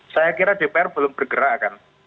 saya kira dpr belum bergerak kan